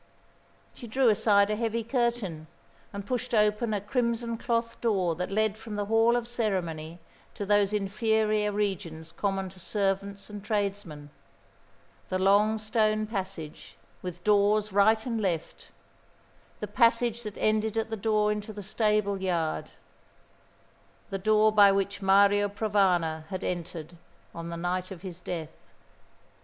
She drew aside a heavy curtain, and pushed open a crimson cloth door that led from the hall of ceremony to those inferior regions common to servants and tradesmen the long stone passage, with doors right and left, the passage that ended at the door into the stable yard, the door by which Mario Provana had entered on the night of his death.